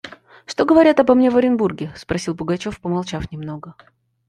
– Что говорят обо мне в Оренбурге? – спросил Пугачев, помолчав немного.